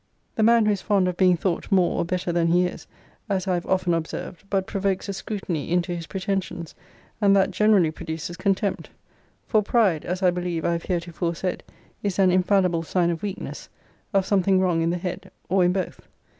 The man who is fond of being thought more or better than he is, as I have often observed, but provokes a scrutiny into his pretensions; and that generally produces contempt. For pride, as I believe I have heretofore said, is an infallible sign of weakness; of something wrong in the head or in both.